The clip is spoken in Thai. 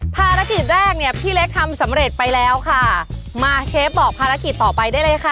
ภารกิจแรกเนี่ยพี่เล็กทำสำเร็จไปแล้วค่ะมาเชฟบอกภารกิจต่อไปได้เลยค่ะ